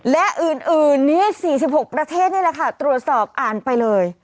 และอื่นนี้๔๖ประเทศนี่แหละค่ะตรวจสอบอ่านไปเลย